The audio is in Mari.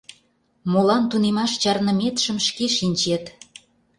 Молан тунемаш чарныметшым шке шинчет...